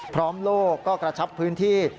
พร้อมโลกก็กระชับพื้นที่